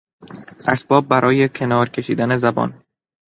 اسباب برای کنار کشیدن زبان